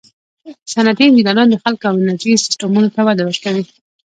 صنعتي انجینران د خلکو او انرژي سیسټمونو ته وده ورکوي.